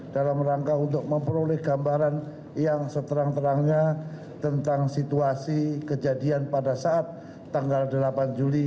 dalam rangka untuk memperoleh gambaran yang seterang terangnya tentang situasi kejadian pada saat tanggal delapan juli